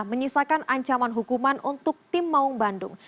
menyisakan ancaman hukuman untuk tim maung bandung